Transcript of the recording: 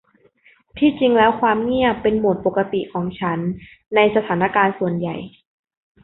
ที่จริงแล้วความเงียบเป็นโหมดปกติของฉันในสถานการณ์ส่วนใหญ่